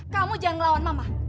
kamu jangan ngelawan mama